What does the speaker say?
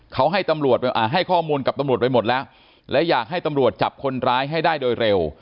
เขาให้ตำรวจให้ข้อมูลกับตำรวจไปหมดแล้วและอยากให้ตำรวจจับคนร้ายให้ได้โดยเร็ว